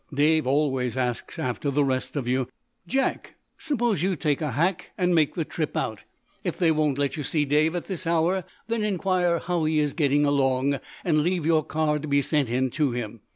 Dave always asks after the rest of you. Jack, suppose you take a hack and make the trip out. If they won't let you see Dave at this hour, then inquire how he is getting along, and leave your card to be sent in to him.